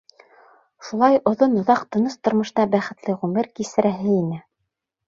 Шулай оҙон-оҙаҡ тыныс тормошта бәхетле ғүмер кисерәһе ине.